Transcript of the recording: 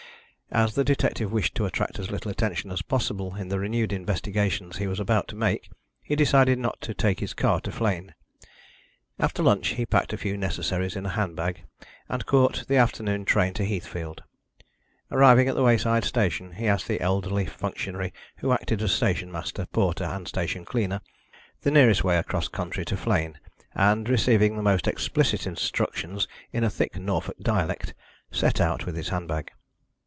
As the detective wished to attract as little attention as possible in the renewed investigations he was about to make, he decided not to take his car to Flegne. After lunch he packed a few necessaries in a handbag, and caught the afternoon train to Heathfield. Arriving at that wayside station, he asked the elderly functionary who acted as station master, porter and station cleaner the nearest way across country to Flegne, and, receiving the most explicit instructions in a thick Norfolk dialect, set out with his handbag.